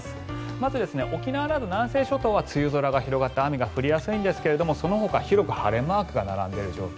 まず、沖縄など南西諸島は梅雨空が広がって雨が降りやすいんですけれどもそのほか、広く晴れマークが並んでいる状況。